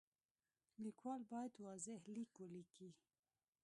لیکوال باید واضح لیک وکړي.